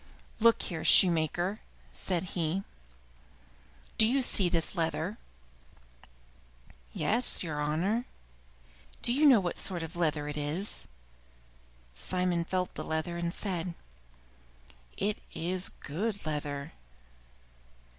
"Look here, shoemaker," said he, "do you see this leather?" "Yes, your honor." "But do you know what sort of leather it is?" Simon felt the leather and said, "It is good leather."